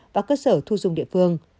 và cơ sở thu dung địa phương